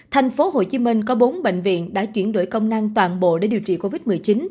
tp hcm có bốn bệnh viện đã chuyển đổi công năng toàn bộ để điều trị covid một mươi chín